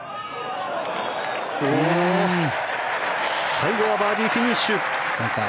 最後はバーディーフィニッシュ。